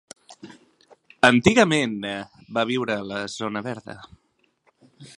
Antigament va viure a la zona verda.